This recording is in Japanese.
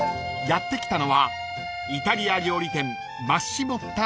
［やって来たのはイタリア料理店］